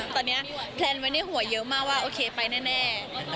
ตอนนี้แพลนไว้ในหัวเยอะมากว่าโอเคไปแน่